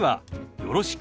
「よろしく」。